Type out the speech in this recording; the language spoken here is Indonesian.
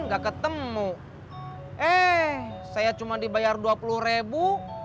nggak ketemu eh saya cuma dibayar dua puluh rebu